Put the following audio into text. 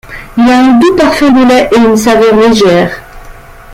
Il a un doux parfum de lait et une saveur légère.